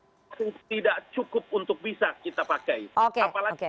kita juga harus mengerti bahwa di negara demokrasi kemudian ada orang orang yang mengurus bazar ini